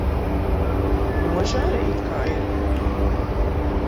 Oža arī it kā ir.